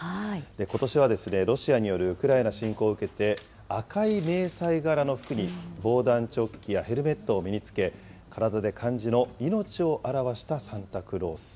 ことしはロシアによるウクライナ侵攻を受けて、赤い迷彩柄の服に防弾チョッキやヘルメットを身につけ、体で漢字の命を表したサンタクロース。